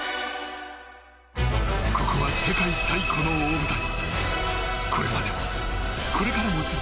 ここは世界最古の大舞台。